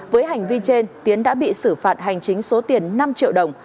với hành vi trên tiến đã bị xử phạt hành chính số tiền năm triệu đồng